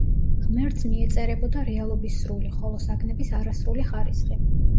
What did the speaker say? ღმერთს მიეწერებოდა რეალობის სრული, ხოლო საგნებს არასრული ხარისხი.